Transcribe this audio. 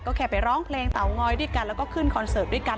ก็แค่ไปร้องเพลงเตาง้อยด้วยกันแล้วก็ขึ้นคอนเสิร์ตด้วยกัน